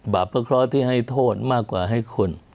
บาปพระเคราะห์ที่ให้โทษมากกว่าให้คน